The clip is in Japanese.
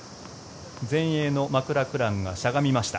前衛のマクラクランがしゃがみました。